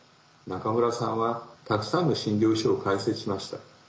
中村さんはたくさんの診療所を開設しました。